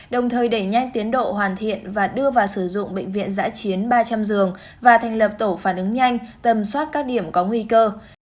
đồng thời đẩy nhanh tiến độ hoàn thiện và đưa vào sử dụng bệnh viện giã chiến ba trăm linh giường và thành lập tổ phản ứng nhanh tầm soát các điểm có nguy cơ